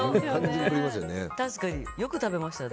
確かに、よく食べましたね。